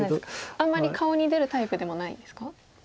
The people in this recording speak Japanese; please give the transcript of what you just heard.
あんまり顔に出るタイプでもないんですか？